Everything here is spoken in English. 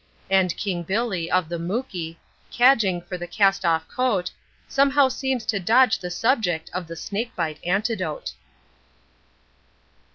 And King Billy, of the Mooki, cadging for the cast off coat, Somehow seems to dodge the subject of the snake bite antidote.